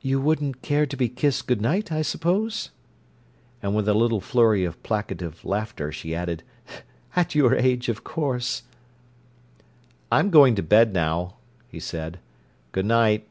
"You wouldn't care to be kissed good night, I suppose?" And with a little flurry of placative laughter, she added: "At your age, of course!" "I'm going to bed, now," he said. "Goodnight."